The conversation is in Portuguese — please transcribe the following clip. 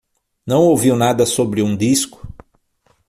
Não ouviu nada sobre um disco?